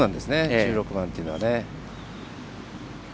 １６番というのは。